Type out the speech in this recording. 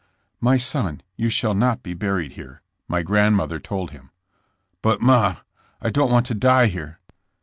*'My son, you shall not be buried here," my grandmother told him. "But, ma, I don't want to die here."